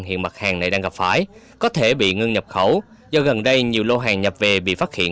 hiện mặt hàng này đang gặp phải có thể bị ngưng nhập khẩu do gần đây nhiều lô hàng nhập về bị phát hiện